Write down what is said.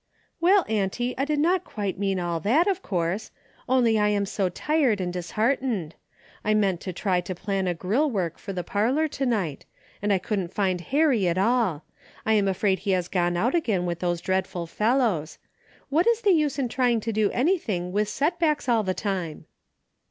'' Well, auntie, I did not quite mean all that, of course, only I am so tired and disheartened. I meant to try to plan a grill work for the par lor to night, and I couldn't find Harry at all. I am afraid he has gone out again with those dreadful fellows. What is the use in trying to do anything with setbacks all the time